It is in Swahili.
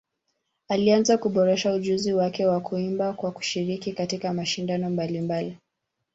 Alianza kuboresha ujuzi wake wa kuimba kwa kushiriki katika mashindano mbalimbali.